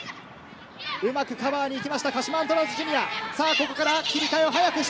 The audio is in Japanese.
うまくカバーに行きました鹿島アントラーズジュニア。